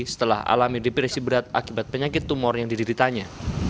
setelah alami depresi berat akibat penyakit tumor yang dideritanya